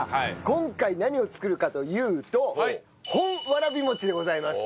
今回何を作るかというと本わらびもちでございます。